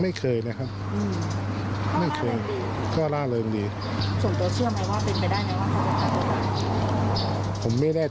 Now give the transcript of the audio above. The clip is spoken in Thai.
มีโมเมนที่แบบกลับช้อชีวิต